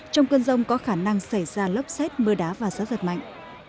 trong cơn rông có khả năng xảy ra lốc xét mưa đá và gió giật mạnh